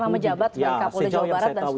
pernama jabat sebagai kapolda jawa barat